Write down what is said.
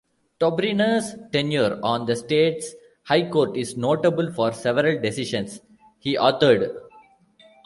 Tobriner's tenure on the state's high court is notable for several decisions he authored.